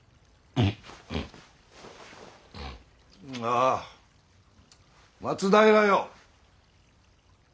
あ松平よ。